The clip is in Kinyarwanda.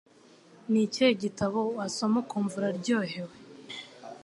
nikihe gitabo wasoma ukumva uraryohewe?